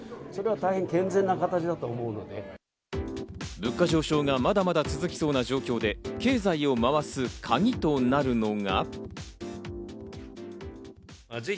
物価上昇がまだまだ続きそうな状況で経済を回すカギとなるのが。